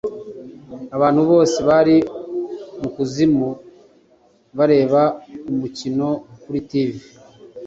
abantu bose bari mukuzimu bareba umukino kuri tv